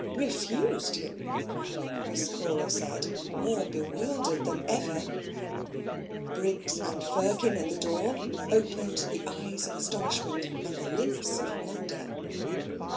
"Refused him!" Miss Crawley said, more bewildered than ever. Briggs and Firkin at the door opened the eyes of astonishment and the lips of wonder.